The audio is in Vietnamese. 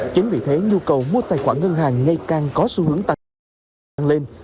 chính vì thế nhu cầu mua tài khoản ngân hàng ngày càng có xu hướng tăng lên